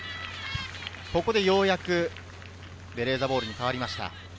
ここでようやくベレーザボールに変わりました。